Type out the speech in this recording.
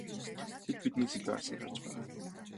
Тэд биднээс илүү алсыг харж байгаа.